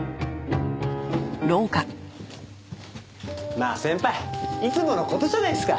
まあ先輩いつもの事じゃないですか。